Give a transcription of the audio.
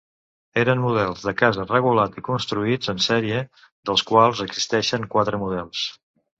Eren models de casa regulats i construïts en sèrie, dels quals existien quatre models.